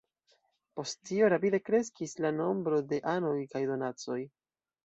Post tio rapide kreskis la nombro de anoj kaj donacoj.